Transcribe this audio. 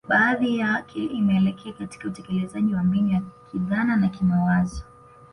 Baadhi yake imeelekea katika utekelezaji wa mbinu ya kidhana na kimawazo